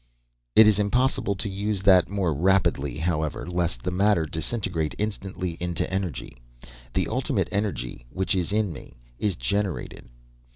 "It is impossible to use that more rapidly, however, lest the matter disintegrate instantly to energy. The Ultimate Energy which is in me is generated.